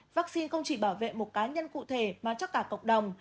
vaccine không chỉ bảo vệ một cá nhân cụ thể mà cho cả cộng đồng